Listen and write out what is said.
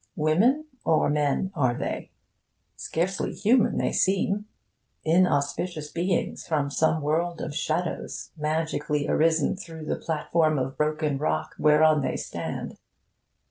Women or men are they? Scarcely human they seem: inauspicious beings from some world of shadows, magically arisen through that platform of broken rock whereon they stand.